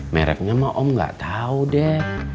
mereknya mah om gak tahu deh